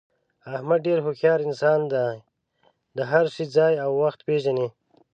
احمد ډېر هوښیار انسان دی، د هر شي ځای او وخت پېژني.